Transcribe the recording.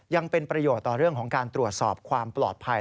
ยังเป็นประโยชน์ต่อเรื่องของการตรวจสอบความปลอดภัย